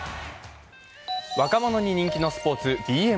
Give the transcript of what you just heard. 若者に人気のスポーツ、ＢＭＸ。